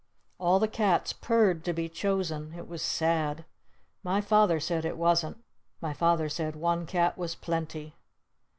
All the cats purred to be chosen. It was sad. My Father said it wasn't. My Father said one cat was plenty.